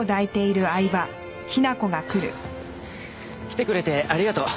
来てくれてありがとう。